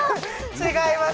違います。